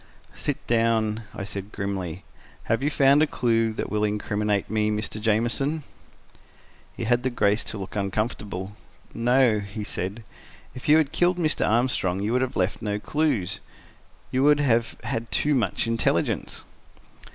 "Sit down," I said grimly. "Have you found a clue that will incriminate me, Mr. Jamieson?" He had the grace to look uncomfortable. "No," he said. "If you had killed Mr. Armstrong, you would have left no clues. You would have had too much intelligence."